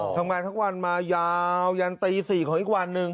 ทำงานทุกวันมายาวยันตี๔ของอีกวันหนึ่ง